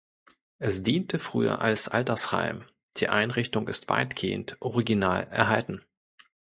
Es diente früher als Altersheim, die Einrichtung ist weitgehend original erhalten.